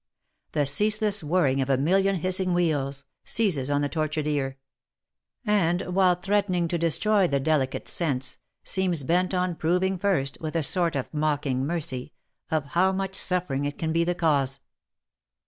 The ceaseless whirring of a million hissing wheels, seizes on the tortured ear ; and while threatening to destroy the delicate sense, seems bent on proving first, with a sort of mocking mercy, of how much suffering it can be the cause.